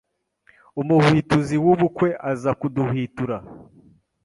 umuhwituzi w’ubukwe aza kuduhwitura